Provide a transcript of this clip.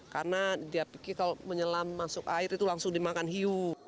karena dia pikir kalau menyelam masuk air itu langsung dimakan hiu